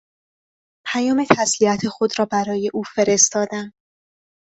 پیام تسلیت خود را برای او فرستادم